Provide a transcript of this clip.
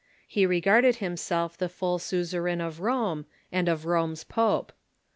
He regarded himself the full suzerain of Rome, and of Rome's pope.